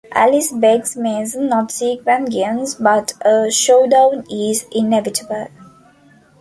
Alice begs Mason not seek vengeance, but a showdown is inevitable.